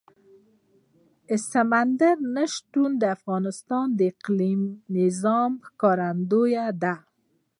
سمندر نه شتون د افغانستان د اقلیمي نظام ښکارندوی ده.